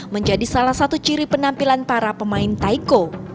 menjadi salah satu ciri penampilan para pemain taiko